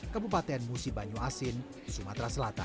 kabupaten musi banyu asin sumatera selatan